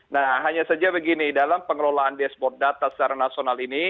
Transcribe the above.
nah hanya saja begini dalam pengelolaan dashboard data secara nasional ini